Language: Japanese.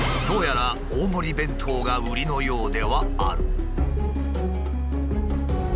どうやら大盛り弁当が売りのようではある。